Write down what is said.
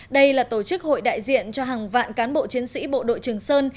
đây là tổ chức hội đại diện cho hàng vạn cán bộ chiến sĩ bộ đội trường sơn